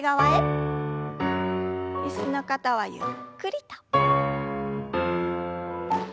椅子の方はゆっくりと。